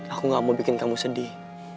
aku gak mau bikin kamu sedih